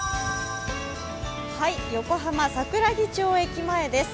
横浜・桜木町駅前です。